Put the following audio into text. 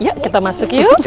iya kita masuk yuk